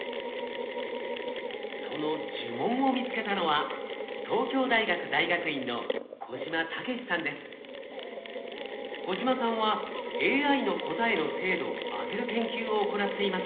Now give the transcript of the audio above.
その呪文を見つけたのは小島さんはＡＩの答えの精度を上げる研究を行っていました。